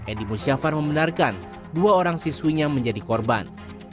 edi musyafar membenarkan dua orang siswinya menjadi korban